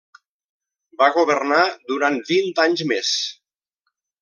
Va governar durant vint anys més.